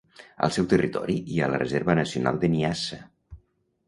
Al seu territori hi ha la Reserva Nacional de Niassa.